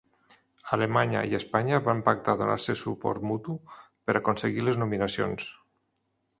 Alemanya i Espanya van pactar donar-se suport mutu per aconseguir les nominacions.